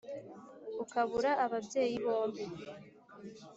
ukabura ababyeyi bombi